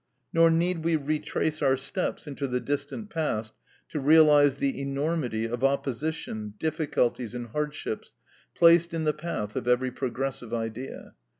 Nor need we retrace our steps into the distant past to realize the enormity of opposition, difficulties, and hardships placed in the path of every progressive idea.